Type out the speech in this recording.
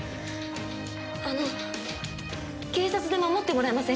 あの警察で守ってもらえませんか？